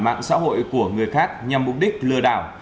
mạng xã hội của người khác nhằm mục đích lừa đảo